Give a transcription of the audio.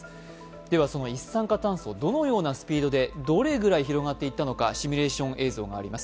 ではその一酸化炭素どのようなスピードでどれぐらい広がっていったのかシミュレーション映像があります。